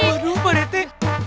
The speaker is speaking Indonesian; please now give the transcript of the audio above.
aduh pak rete